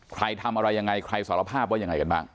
ใครทำอะไรยังไงใครสารภาพว่ายังไงกันบ้าง